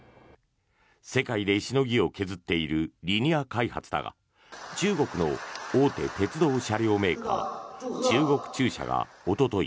世界でしのぎを削っているリニア開発だが中国の大手鉄道車両メーカー中国中車がおととい